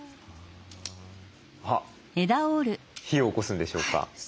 あっ火をおこすんでしょうか？